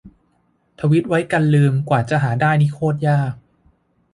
ทวีตไว้กันลืม กว่าจะหาได้นี่โคตรยาก